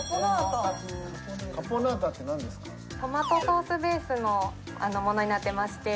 トマトソースベースのものになってまして。